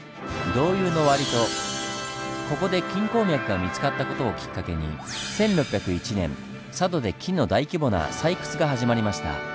ここで金鉱脈が見つかった事をきっかけに１６０１年佐渡で金の大規模な採掘が始まりました。